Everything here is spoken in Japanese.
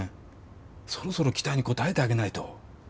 そろそろ期待に応えてあげないと。